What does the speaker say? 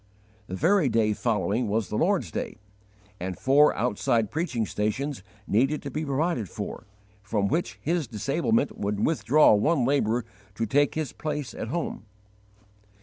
The very day following was the Lord's day, and four outside preaching stations needed to be provided for, from which his disablement would withdraw one labourer to take his place at home.